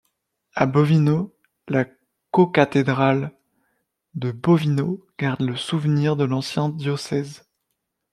À Bovino, la cocathédrale de Bovino garde le souvenir de l'ancien diocèse.